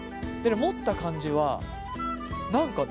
持った感じは何かね